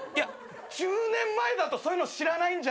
１０年前だとそういうの知らないんじゃないか？